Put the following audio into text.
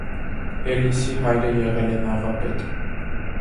Էլլիսի հայրը եղել է նավապետ։